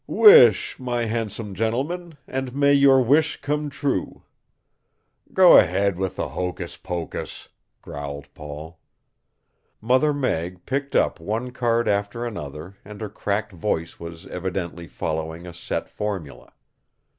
"Wish, my handsome gentleman, and may your wish come true." "Go ahead with the hocus pocus," growled Paul. Mother Meg picked up one card after another and her cracked voice was evidently following a set formula.